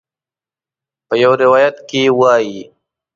په یو روایت کې وایي.